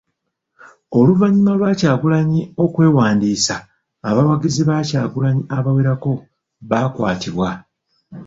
Oluvannyuma lwa Kyagulanyi okwewandiisa, abawagizi ba Kyagukanyi abawerako baakwatibwa.